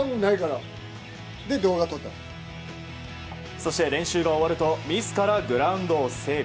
そして練習が終わると自らグラウンドを整備。